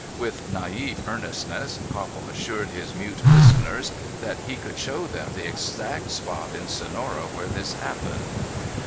With naive earnestness Copple assured his mute listeners that he could show them the exact spot in Sonora where this happened.